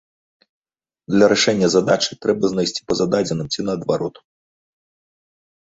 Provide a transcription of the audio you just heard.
Для рашэння задачы трэба знайсці па зададзеным ці наадварот.